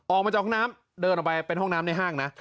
ออกมาจากห้องน้ำเดินออกไปเป็นห้องน้ำในห้างนะ